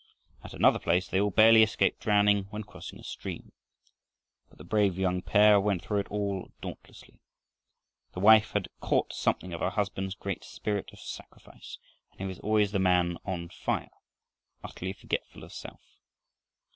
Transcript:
At another place they all barely escaped drowning when crossing a stream. But the brave young pair went through it all dauntlessly. The wife had caught something of her husband's great spirit of sacrifice, and he was always the man on fire, utterly forgetful of self.